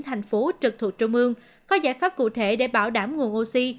thành phố trực thuộc trung ương có giải pháp cụ thể để bảo đảm nguồn oxy